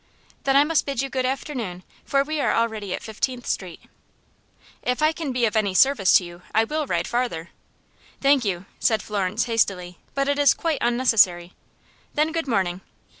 "Then I must bid you good afternoon, for we are already at Fifteenth Street." "If I can be of any service to you, I will ride farther." "Thank you," said Florence, hastily, "but it is quite unnecessary." "Then, good morning!"